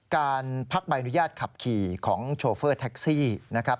การพักใบอนุญาตขับขี่ของโชเฟอร์แท็กซี่นะครับ